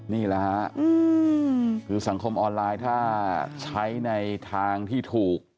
นี่แหละฮะคือสังคมออนไลน์ถ้าใช้ในทางที่ถูก